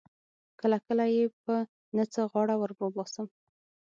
کله کله یې په نه څه غاړه ور وباسم.